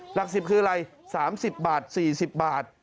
หลัก๑๐คืออะไร๓๐บาท๔๐บาท